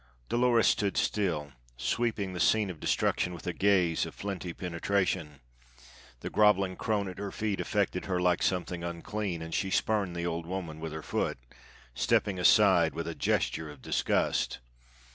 Dolores stood still, sweeping the scene of destruction with a gaze of flinty penetration. The groveling crone at her feet affected her like something unclean, and she spurned the old woman with her foot, stepping aside with a gesture of disgust.